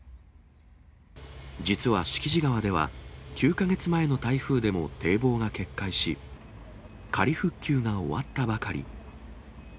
実は敷地川では、９か月前の台風でも堤防が決壊し、仮復旧が終わったばかり。